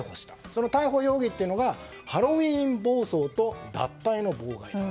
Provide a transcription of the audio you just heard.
その逮捕容疑がハロウィーン暴走と脱退の妨害と。